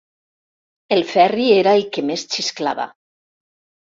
El Ferri era el que més xisclava.